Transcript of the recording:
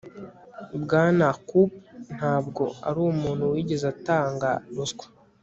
bwana koop ntabwo arumuntu wigeze atanga ruswa